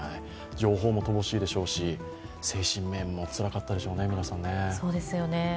情報も乏しいでしょうし、精神面も皆さん、つらかったでしょうね。